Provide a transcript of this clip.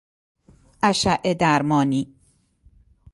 اشعه درمانی